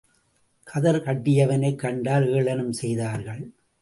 கதர் கட்டியவனைக் கண்டால் ஏளனம் செய்தார்கள்.